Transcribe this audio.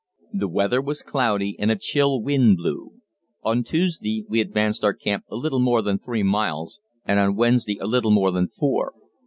The weather was cloudy and a chill wind blew. On Tuesday we advanced our camp a little more than three miles, and on Wednesday a little more than four.